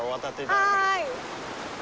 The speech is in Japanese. はい。